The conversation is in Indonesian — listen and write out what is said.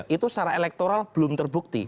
itu secara elektoral belum terbukti